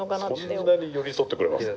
そんなに寄り添ってくれます？